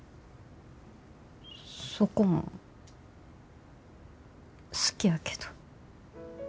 そこも好きやけど。